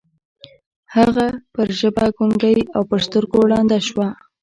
هغه پر ژبه ګونګۍ او پر سترګو ړنده شوه.